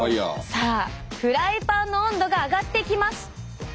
さあフライパンの温度が上がっていきます！